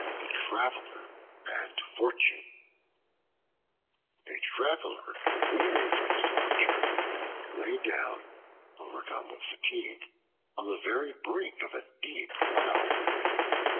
The Traveler and Fortune A TRAVELER wearied from a long journey lay down, overcome with fatigue, on the very brink of a deep well.